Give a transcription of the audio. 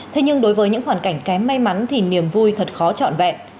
thế nhưng đối với những hoàn cảnh kém may mắn thì niềm vui thật khó trọn vẹn